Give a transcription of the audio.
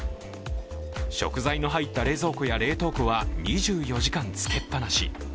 食材の入った冷蔵庫や冷凍庫は２４時間つけっぱなし。